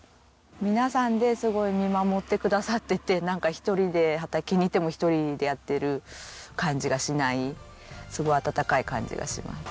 皆さんですごい見守ってくださってて１人で畑にいても１人でやってる感じがしないすごい温かい感じがします。